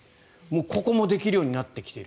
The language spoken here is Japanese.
ここもできるようになってきている。